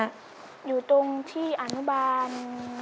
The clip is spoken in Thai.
อยู่ตรงที่อนุบาล